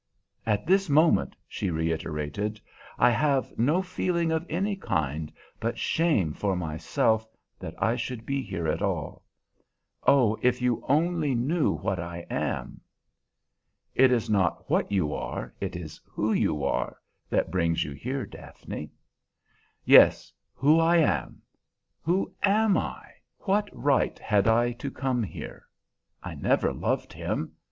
At this moment," she reiterated, "I have no feeling of any kind but shame for myself that I should be here at all. Oh, if you only knew what I am!" "It is not what you are, it is who you are, that brings you here, Daphne." "Yes, who I am! Who am I? What right had I to come here? I never loved him.